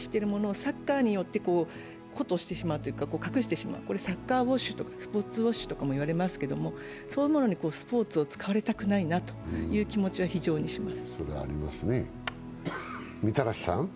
こういった人権問題とかを軽視していることをサッカーによって糊塗してしまうというか、隠してしまう、サッカーウォッシュとかスポーツウォッシュとかいわれますけれどそういうものにスポーツを使われたくないという気持ちは非常にします。